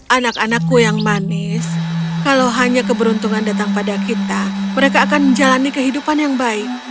anak anakku yang manis kalau hanya keberuntungan datang pada kita mereka akan menjalani kehidupan yang baik